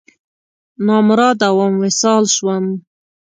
نامراده وم، وصال شوم